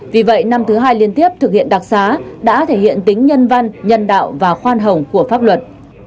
vì vậy năm thứ hai liên tiếp thực hiện đặc xá đã thể hiện tính nhân văn nhân đạo và khoan hồng của pháp luật